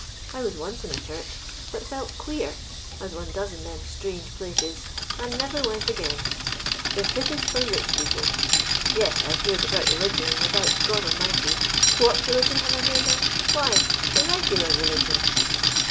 I was once in a church, but felt queer, as one does in them strange places, and never went again. They're fittest for rich people. Yes, I've heered about religion and about God Almighty. What religion have I heered on? Why, the regiUar religion.